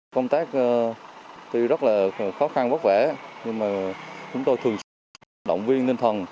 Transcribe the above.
công tác tuy rất là khó khăn bất vẻ nhưng mà chúng tôi thường xuyên động viên tinh thần